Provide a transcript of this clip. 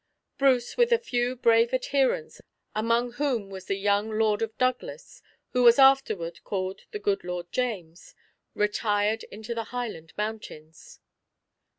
Bruce, with a few brave adherents, among whom was the young lord of Douglas, who was afterward called the Good Lord James, retired into the Highland mountains.